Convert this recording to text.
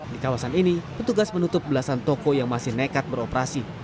di kawasan ini petugas menutup belasan toko yang masih nekat beroperasi